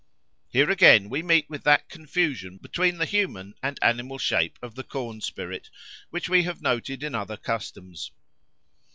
Here, again, we meet with that confusion between the human and animal shape of the corn spirit which we have noted in other customs.